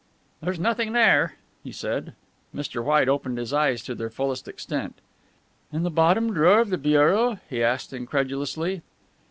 "There's nothing there," he said. Mr. White opened his eyes to their fullest extent. "In the bottom drawer of the bureau?" he asked incredulously.